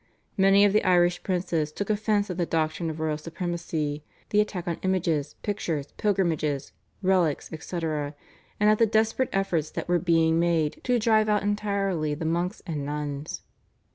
Many of the Irish princes took offence at the doctrine of royal supremacy, the attack on images, pictures, pilgrimages, relics, etc., and at the desperate efforts that were being made to drive out entirely the monks and nuns.